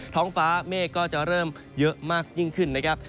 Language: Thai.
ท้องฟ้าเมฆก็จะเริ่มเยอะมากยิ่งขึ้นนะครับ